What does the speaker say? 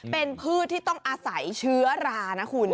เป็นพืชที่ต้องอาศัยเชื้อรานะคุณ